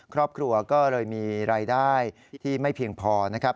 ครอบครัวก็เลยมีรายได้ที่ไม่เพียงพอนะครับ